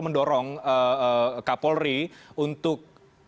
mendorong kapolri untuk